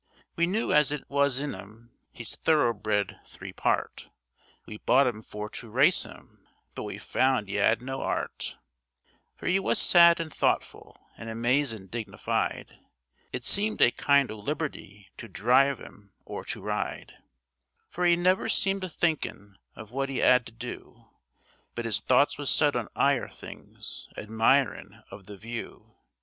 We knew as it wa's in 'im. 'E's thoroughbred, three part, We bought 'im for to race 'im, but we found 'e 'ad no 'eart; For 'e was sad and thoughtful, and amazin' dignified, It seemed a kind o' liberty to drive 'im or to ride; For 'e never seemed a thinkin' of what 'e 'ad to do, But 'is thoughts was set on 'igher things, admirin' of the view.